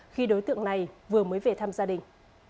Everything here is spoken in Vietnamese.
khi đối tượng này vừa mới về thăm gia đình